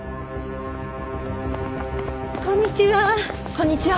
こんにちは。